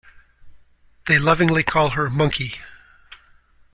They lovingly call her Monkey.